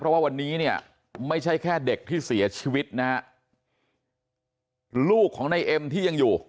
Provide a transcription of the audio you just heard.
เพราะว่าวันนี้เนี่ยไม่ใช่แค่เด็กที่เสียชีวิตนะฮะลูกของในเอ็มที่ยังอยู่